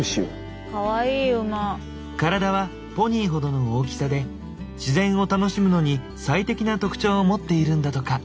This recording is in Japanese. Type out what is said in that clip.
体はポニーほどの大きさで自然を楽しむのに最適な特徴を持っているんだとか。